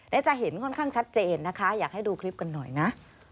และจะเห็นค่อนข้างชัดเจนนะคะอยากให้ดูคลิปกันหน่อยนะ